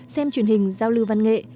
xem truyền hình giao lưu văn nghệ